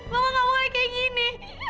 bapak gak boleh kayak gini